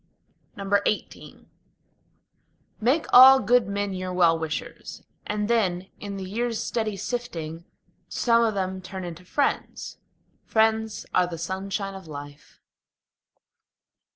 XVIII Make all good men your well wishers, and then, in the years' steady sifting, Some of them turn into friends. Friends are the sunshine of life.